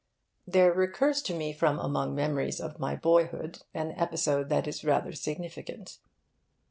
There recurs to me from among memories of my boyhood an episode that is rather significant.